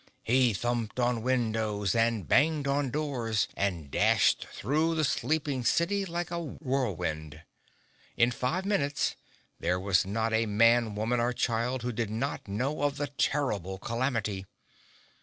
He thumped on windows and banged on doors and dashed through the sleeping city like a whirlwind. In five minutes there was not a man, woman or child who did not know of the terrible calamity.